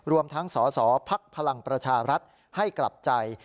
รวมทั้งสาวภักดิ์พลังประชารัฐให้กลับใจ